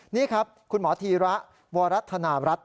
นี่ครับคุณหมอธีระวรัฐนารัฐ